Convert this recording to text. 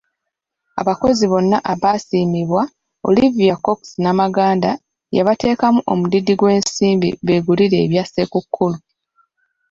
Abakozi bonna abaasiimibwa, Olivia Cox Namaganda yabateekamu omudidi gw’ensimbi beegulire ebya Ssekukkulu.